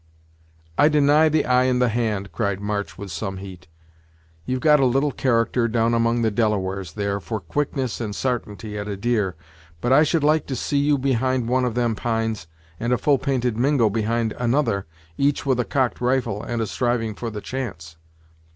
"I deny the eye and the hand," cried March with some heat. "You've got a little character, down among the Delawares, there, for quickness and sartainty, at a deer, but I should like to see you behind one of them pines, and a full painted Mingo behind another, each with a cock'd rifle and a striving for the chance!